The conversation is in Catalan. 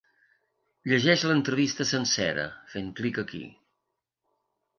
Llegeix l’entrevista sencera, fent clic aquí.